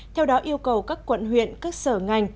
theo đó yêu cầu các quận huyện các sở ngành